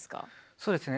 そうですね。